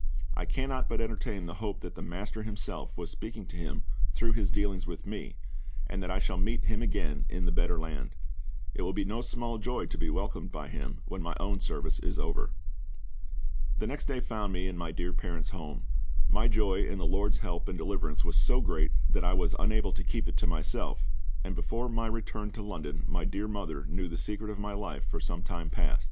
I cannot but entertain the hope that the MASTER Himself was speaking to him through His dealings with me, and that I shall meet him again in the Better Land. It would be no small joy to be welcomed by him, when my own service is over. The next day found me in my dear parents' home. My joy in the LORD's help and deliverance was so great that I was unable to keep it to myself, and before my return to London my dear mother knew the secret of my life for some time past.